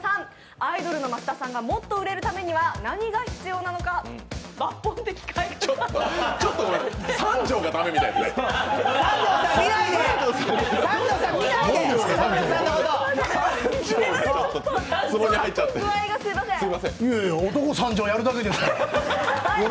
アイドルの増田さんがもっと売れるためには何が必要なのか抜本的改革案を。ちょっとごめんなさい三条が駄目みたいですね。